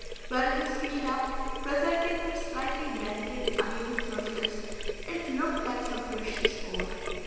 Where it was sealed up, presenting that slightly dented, uneven surface, it looked like some precious ore.